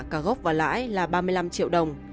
cả gốc và lãi là ba mươi năm triệu đồng